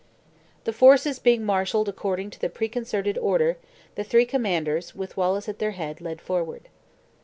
The forces being marshaled according to the preconcerted order, the three commanders, with Wallace at their head, led forward.